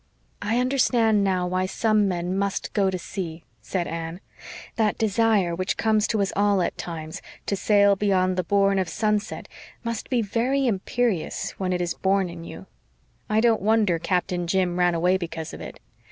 "I understand now why some men must go to sea," said Anne. "That desire which comes to us all at times 'to sail beyond the bourne of sunset' must be very imperious when it is born in you. I don't wonder Captain Jim ran away because of it.